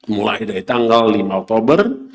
mulai dari tanggal lima oktober